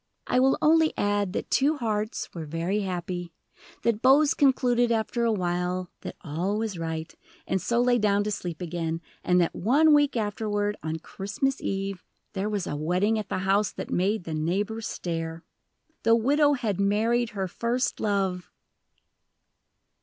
I will only add that two hearts were very happy, that Bose concluded after a while that all was right, and so lay down to sleep again, and that one week afterward, on Christmas Eve, there was a wedding at the house that made the neighbors stare. The widow had married her First Love!